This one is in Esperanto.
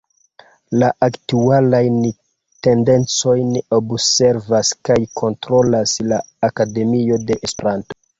La aktualajn tendencojn observas kaj kontrolas la Akademio de Esperanto.